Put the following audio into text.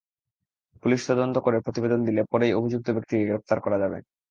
Police তদন্ত করে প্রতিবেদন দিলে পরেই অভিযুক্ত ব্যক্তিকে গ্রেপ্তার করা যাবে।